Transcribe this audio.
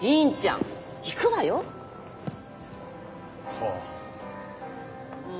はあ。